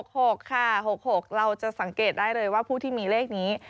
๖๖เราจะสังเกตได้เลยว่าผู้ที่มีเลขนี้